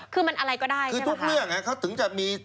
คือมันอะไรก็ได้คือทุกเรื่องเขาถึงจะมี